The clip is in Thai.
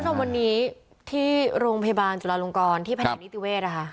คุณผู้ชมวันนี้ที่โรงพยาบาลจุฬาลงกรที่แผนกนิติเวศนะคะ